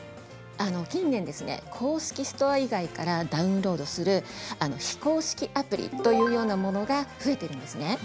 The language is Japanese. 近年、公式ストア以外でダウンロードする非公式アプリというようなものが増えているんです。